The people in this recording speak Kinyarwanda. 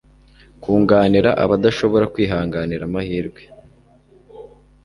kunganira abadashobora kwihanganira amahirwe